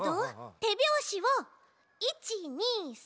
てびょうしを１２３。